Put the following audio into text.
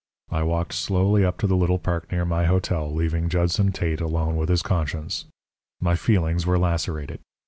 I walked slowly up to the little park near my hotel, leaving Judson Tate alone with his conscience. My feelings were lacerated.